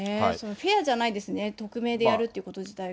フェアじゃないですね、匿名でやるっていうこと自体が。